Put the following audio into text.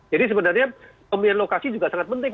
jadi sebenarnya pemilihan lokasi juga sangat penting